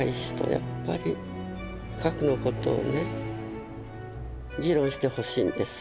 やっぱり核のことをね議論してほしいんです。